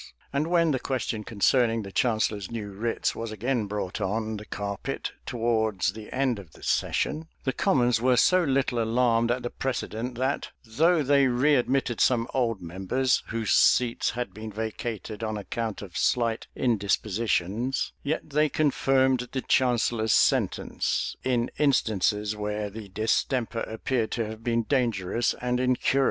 And when the question concerning the chancellor's new writs was again brought on the carpet towards the end of the session, the commons were so little alarmed at the precedent, that though they readmitted some old members, whose seats had been vacated on account of slight indispositions, yet they confirmed the chancellor's sentence, in instances where the distemper appeared to have been dangerous and incurable.